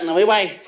là máy bay